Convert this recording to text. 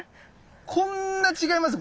こんな違いますよ